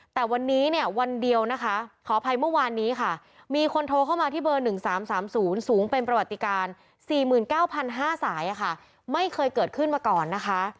แต่วันนี้เนี่ยวันเดียวนะคะขออภัยเมื่อวานนี้ค่ะมีคนโทรเข้ามาที่เบอร์๑๓๓๐สูงเป็นประวัติการ๔๙๕๐๐สายไม่เคยเกิดขึ้นมาก่อนนะคะ